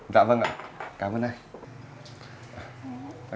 dạ vâng ạ cảm ơn anh